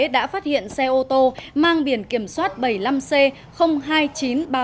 đã phát hiện xe ô tô mang biển kiểm soát bảy mươi năm c hai nghìn chín trăm ba mươi